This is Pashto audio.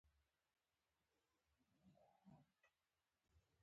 د تولید شمېر تر یو نیم میلیون موټرو ډېر و.